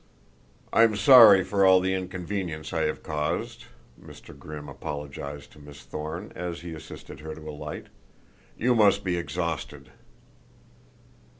"I'm sorry for all the inconvenience I have caused," Mr. Grimm apologized to Miss Thorne as he assisted her to alight. "You must be exhausted."